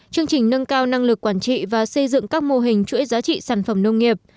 chương trình nâng cao năng lực quản trị và xây dựng các mô hình chuỗi giá trị sản phẩm nông nghiệp